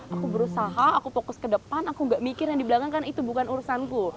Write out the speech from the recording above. aku berusaha aku fokus ke depan aku gak mikir yang dibelakangkan itu bukan urusanku